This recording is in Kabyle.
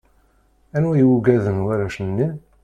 Anwa i ugaden warrac-nni?